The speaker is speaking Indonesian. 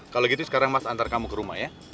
kalau gitu sekarang mas antar kamu ke rumah ya